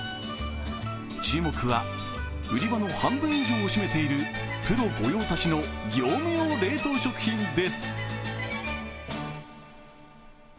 注目は売り場の半分以上を占めているプロ御用達の業務用冷凍食品です。